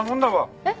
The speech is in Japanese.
えっ？